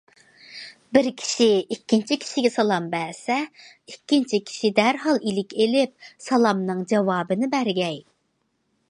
بىر كىشى ئىككىنچى كىشىگە سالام بەرسە ئىككىنچى كىشى دەرھال ئىلىك ئېلىپ سالامنىڭ جاۋابىنى بەرگەي.